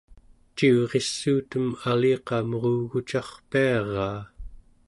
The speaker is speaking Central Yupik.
ciurissuutem aliqa merugucarpiaraa